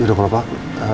yaudah kalau pak